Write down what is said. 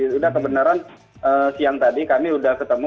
sudah kebenaran siang tadi kami sudah ketemu